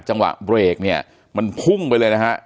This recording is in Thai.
จังหวะเบรกเนี่ยมันพุ่งไปเลยนะฮะ